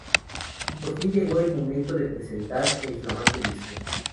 Y por fin llegó el momento de presentar el flamante disco.